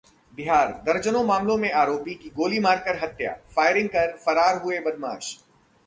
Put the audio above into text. बिहार: दर्जनों मामले के आरोपी की गोली मारकर हत्या, फायरिंग कर फरार हुए बदमाश